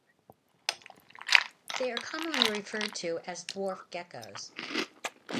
They are commonly referred to as dwarf geckos.